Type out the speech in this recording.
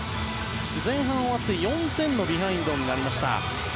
前半が終わって４点のビハインドになりました。